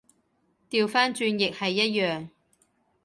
掉返轉亦係一樣